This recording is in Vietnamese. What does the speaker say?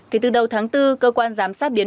kể từ đầu tháng bốn cơ quan giám sát biến